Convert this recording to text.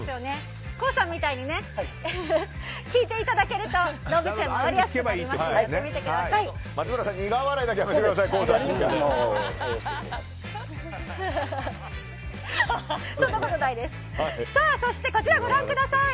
ＫＯＯさんみたいに聞いていただけると動物園が回りやすくなりますので聞いてみてください。